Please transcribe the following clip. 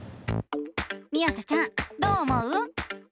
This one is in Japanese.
みあさちゃんどう思う？